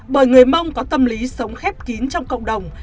bởi người mông có tâm lý sống khép kín trong cộng đồng